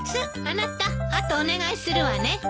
あなたあとお願いするわね。